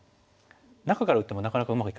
中から打ってもなかなかうまくいかない。